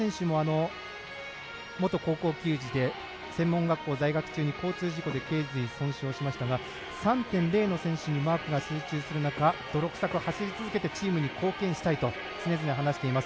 羽賀選手も、元高校球児で専門学校在学中に交通事故でけい髄損傷しましたが３．０の選手にマークが集中する中泥臭く走り続けて、チームに貢献したいと話しています。